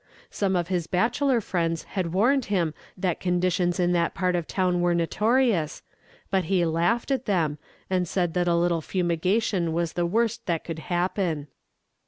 Some of his bachelor friends had warned him that conditions in that part of town were notorious, but he laughed at them, and said that a little fumigation was the worst that could happen.